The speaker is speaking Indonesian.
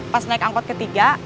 pas naik angkot ketiga